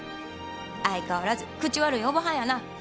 相変わらず口悪いおばはんやな。